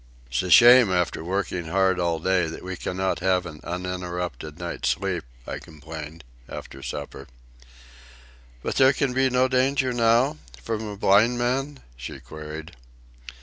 "It's a shame, after working hard all day, that we cannot have an uninterrupted night's sleep," I complained, after supper. "But there can be no danger now? from a blind man?" she queried.